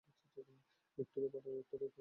Victorian বর্ডারের উত্তরে, বিরতি।